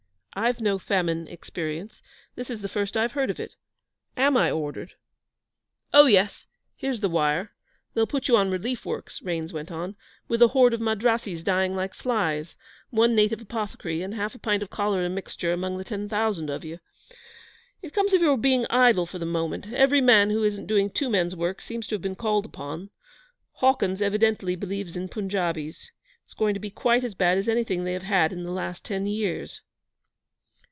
I've no famine experience. This is the first I've heard of it. Am I ordered?' 'Oh, yes. Here's the wire. They'll put you on relief works,' Raines went on, 'with a horde of Madrassis dying like flies; one native apothecary and half a pint of cholera mixture among the ten thousand of you. It comes of your being idle for the moment. Every man who isn't doing two men's work seems to have been called upon. Hawkins evidently believes in Punjabis. It's going to be quite as bad as anything they have had in the last ten years.'